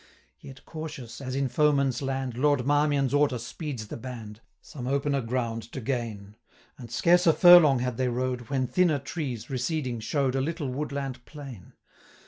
Yet cautious, as in foeman's land, 100 Lord Marmion's order speeds the band, Some opener ground to gain; And scarce a furlong had they rode, When thinner trees, receding, show'd A little woodland plain.